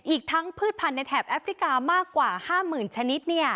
อีกทั้งพืชพันธุ์ในแถบแอฟริกามากกว่า๕๐๐๐ชนิด